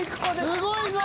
すごいぞ！